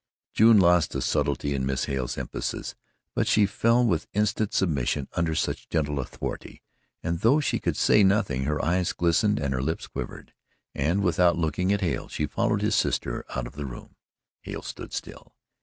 June lost the subtlety in Miss Hale's emphasis, but she fell with instant submission under such gentle authority, and though she could say nothing, her eyes glistened and her lips quivered, and without looking to Hale, she followed his sister out of the room. Hale stood still.